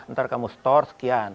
ntar kamu store sekian